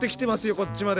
こっちまで。